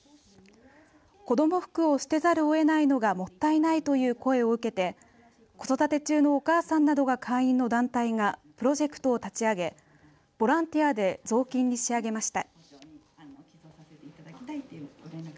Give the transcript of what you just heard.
子ども服を捨てざるを得ないのがもったいないという声を受けて子育て中のお母さんなどが会員の団体がプロジェクトを立ち上げボランティアでぞうきんに仕上げました。